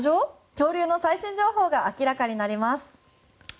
恐竜の最新情報が明らかになります。